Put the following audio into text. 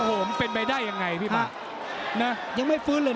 โอ้โหโอ้โหโอ้โหโอ้โหโอ้โหโอ้โห